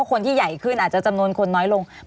คนที่ใหญ่ขึ้นอาจจะจำนวนคนน้อยลง